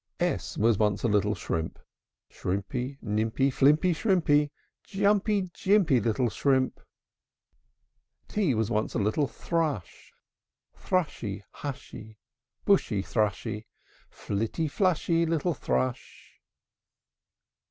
S s S was once a little shrimp, Shrimpy, Nimpy, Flimpy, Shrimpy. Jumpy, jimpy, Little shrimp! T t T was once a little thrush, Thrushy, Hushy, Bushy, Thrushy, Flitty, flushy, Little thrush!